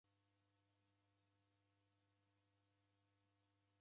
Irina jhapo ni Samba.